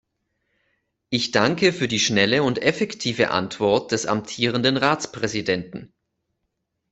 Ich danke für die schnelle und effektive Antwort des amtierenden Ratspräsidenten.